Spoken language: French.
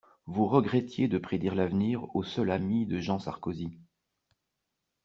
Vous regrettiez de prédire l'avenir au seul ami de Jean Sarkozy.